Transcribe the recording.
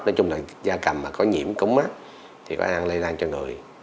nói chung là da cầm mà có nhiễm cúm thì có thể ăn lây lan cho người